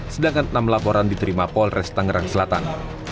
sedangkan enam laporan diterima polres tangerang selatan